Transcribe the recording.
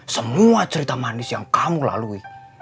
semua cerita manis yang kamu lalui